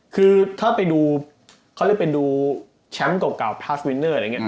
คือถ้าไปดูเขาเรียกไปดูแชมป์เก่าพลาสวินเนอร์อะไรอย่างนี้